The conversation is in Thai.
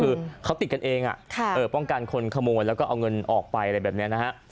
คือเขาติดกันเองป้องกันคนขโมยแล้วก็เอาเงินออกไปอะไรแบบนี้นะฮะ